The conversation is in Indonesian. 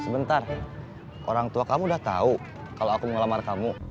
sebentar orang tua kamu udah tahu kalau aku mengelamar kamu